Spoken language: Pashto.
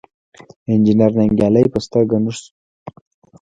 انجنیر ننګیالی په سترګه نه شو.